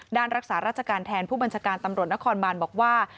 รักษาราชการแทนผู้บัญชาการตำรวจนครบานบอกว่า